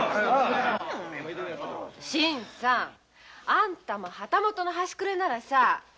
新さんあんたも旗本のはしくれなら。